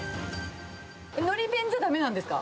のり弁じゃだめなんですか？